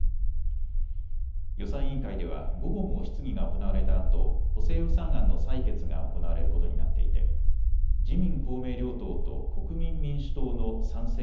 予算委員会では午後も質疑が行われたあと補正予算案の採決が行われることになっていて自民公明両党と国民民主党の賛成